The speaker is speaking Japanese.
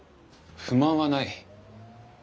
不満はない。